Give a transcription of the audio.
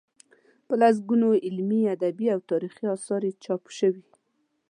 په لسګونو علمي، ادبي او تاریخي اثار یې چاپ شوي.